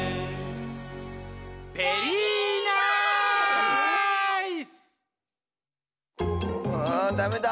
「ベリーナいす！」はあダメだ。